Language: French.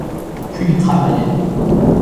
Puis il travaillait.